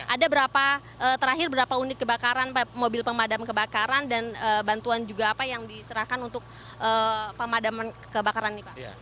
ada berapa terakhir berapa unit kebakaran mobil pemadam kebakaran dan bantuan juga apa yang diserahkan untuk pemadaman kebakaran ini pak